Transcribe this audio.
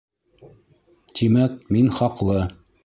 Тимәк, мин хаҡлы!